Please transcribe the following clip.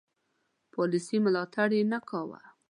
پالیسي ملاتړ یې نه کاوه.